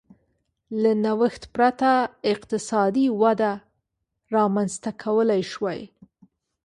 له نوښت پرته اقتصادي وده رامنځته کولای شوای